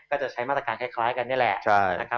ก็จะใช้มาตรการคล้ายกันแน่และ